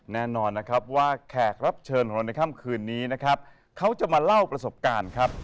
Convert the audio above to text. แน่นอนนะครับว่าแขกรับเชิญของเราในค่ำคืนนี้นะครับเขาจะมาเล่าประสบการณ์ครับ